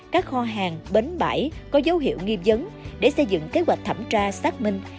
các kho hàng bến bãi có dấu hiệu nghiêm dấn để xây dựng kế hoạch thẩm tra xác minh